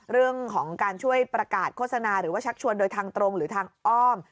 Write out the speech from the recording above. เรื่องของการช่วยประกาศโฆษณาหรือว่าชักชวนโดยทางตรงหรือทางอ้อม